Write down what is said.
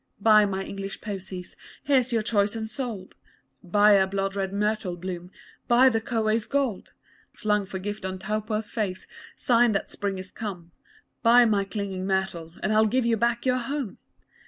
Buy my English posies! Here's your choice unsold! Buy a blood red myrtle bloom, Buy the kowhai's gold Flung for gift on Taupo's face, Sign that spring is come Buy my clinging myrtle And I'll give you back your home!